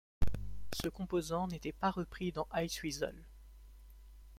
Ce composant n'était pas repris dans Iceweasel.